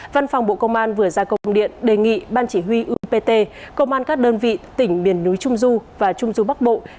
văn phòng bộ công an vừa ra công điện đề nghị ban chỉ huy upt công an các đơn vị tỉnh biển núi trung du và trung du bắc bộ